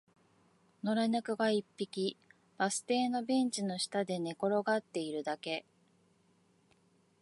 野良猫が一匹、バス停のベンチの下で寝転がっているだけ